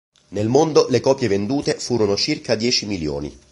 Nel mondo le copie vendute furono circa dieci milioni.